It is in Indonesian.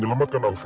perlam mt faculty